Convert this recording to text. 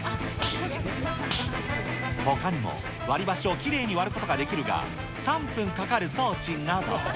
ほかにも、割り箸をきれいに割ることができるが、３分かかる装置など。